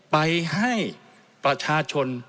ไปให้ประชาชน